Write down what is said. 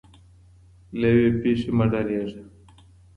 له یوې پیښې مه ډاریږه.